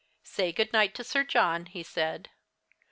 "Say good night to Sir John," he said.